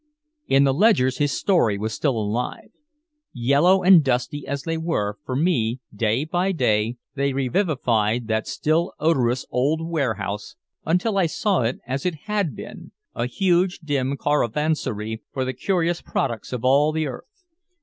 In the ledgers his story was still alive. Yellow and dusty as they were, for me day by day they revivified that still odorous old warehouse until I saw it as it had been, a huge dim caravansary for the curious products of all the earth.